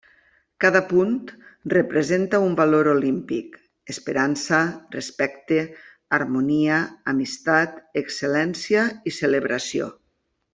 Cada punt representa un valor olímpic; Esperança, respecte, harmonia, amistat, excel·lència i celebració.